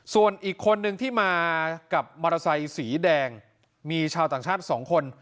ส่วนอีกคนนึงที่มากับมอเตอร์ไซค์สีแดงมีชาวต่างชาติ๒คน